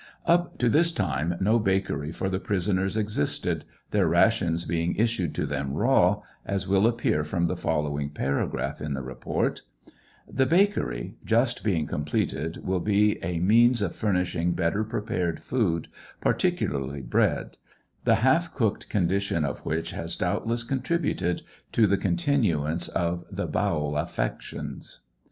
Up to this time no bakery for the prisoners existed, their rations being issued to them raw, as will appear from the following paragraph in the report : The bakery just being completed will be a means of furnishing better prepared food particularly bread, the half cooked condition of which has doubtless contributed to the con" tinuance of the bowel affections.